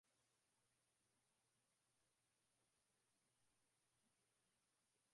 na jumuiya ya kimataifa imekuwa ikifanya jitihada mbalimbali